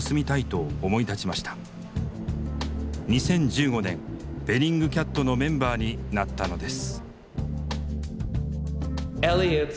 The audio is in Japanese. ２０１５年ベリングキャットのメンバーになったのです。